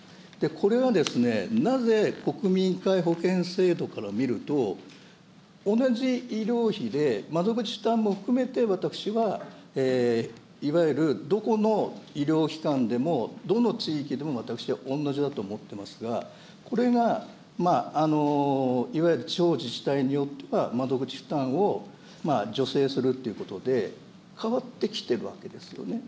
これはですね、なぜ国民皆保険制度から見ると、同じ医療費で、窓口負担も含めて、私はいわゆるどこの医療機関でも、どの地域でも私は同じだと思っていますが、これがいわゆる地方自治体にとっては、窓口負担を助成するということで、変わってきているわけですよね。